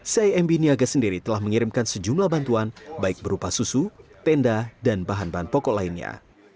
cimb niaga sendiri telah mengirimkan sejumlah bantuan baik berupa susu tenda dan bahan bahan pokok lainnya